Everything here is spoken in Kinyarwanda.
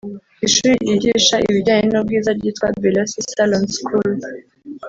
Ishuri ryigisha ibijyane n’ubwiza ryitwa Belasi Saloon school